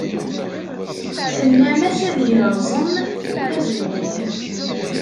Tennam-as ad yerẓem tazewwut.